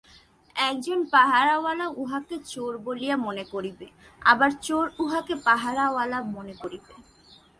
একজন পাহারাওয়ালা উহাকে চোর বলিয়া মনে করিবে, আবার চোর উহাকে পাহারাওয়ালা মনে করিবে।